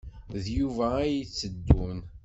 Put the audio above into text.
D Yuba ay d-yetteddun.